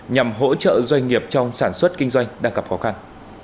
nhằm hỗ trợ doanh nghiệp trong sản xuất kinh doanh đang gặp khó khăn